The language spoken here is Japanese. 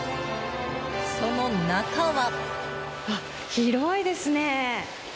その中は。